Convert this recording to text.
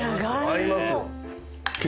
合います。